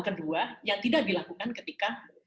kedua yang tidak dilakukan ketika